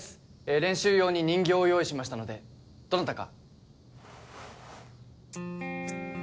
練習用に人形を用意しましたのでどなたか。